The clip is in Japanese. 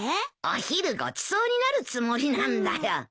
お昼ごちそうになるつもりなんだよ。